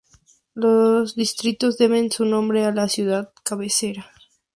Los distritos deben su nombre a la ciudad cabecera.